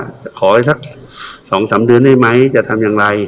ครับขอให้สักสองสามนึงได้ไหมจะทำยังไง